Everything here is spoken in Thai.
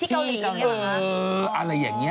อยู่ที่เกาหลีกับเขาเนี่ย